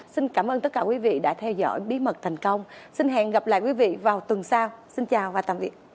xin chào và tạm biệt